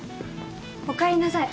おかえりなさい。